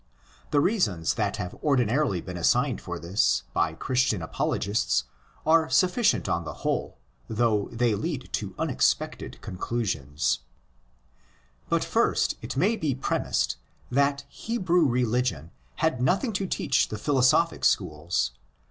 The reasons that have ordinarily been assigned for this by Christian apologists are sufficient on the whole, though they lead to unexpected conclusions. THE PREPARATION FOR THE GOSPEL 19 But first it may be premised that Hebrew religion had nothing to teach the philosophic schools.